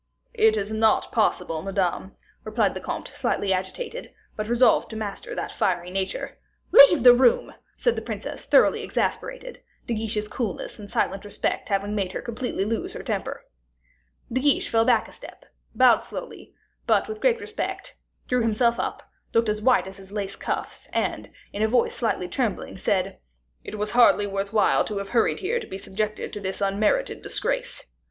"It is not possible, Madame," replied the comte, slightly agitated, but resolved to master that fiery nature. "Leave the room!" said the princess, thoroughly exasperated, De Guiche's coolness and silent respect having made her completely lose her temper. De Guiche fell back a step, bowed slowly, but with great respect, drew himself up, looking as white as his lace cuffs, and, in a voice slightly trembling, said, "It was hardly worth while to have hurried here to be subjected to this unmerited disgrace."